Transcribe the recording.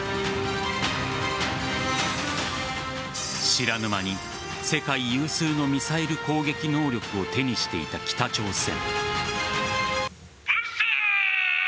知らぬ間に世界有数のミサイル攻撃能力を手にしていた北朝鮮。